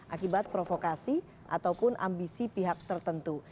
akibat provokasi ataupun ambisi pihak tertentu